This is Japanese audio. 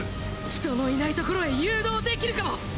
人のいない所へ誘導できるかも。